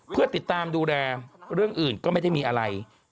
เพื่อติดตามดูแลเรื่องอื่นก็ไม่ได้มีอะไร